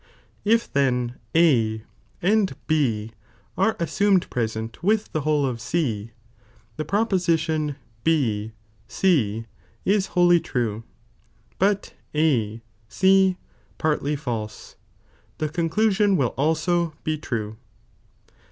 If then A and B are sdsumed present with the whole of C, the proposition B C ia wholly true, but A C partly false, the conclusion will also be true.